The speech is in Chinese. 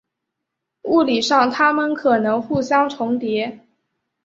物理上它们可能互相重叠。